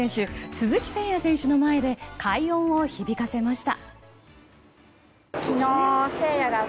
鈴木誠也選手の前で快音を響かせました。